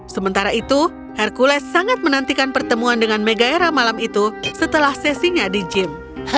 sementara itu hercules sangat menantikan pertemuan dengan megaira malam itu setelah sesinya di gym